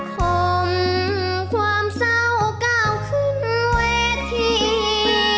คงความเศร้าก้าวขึ้นเวที